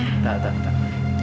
tidak tak tak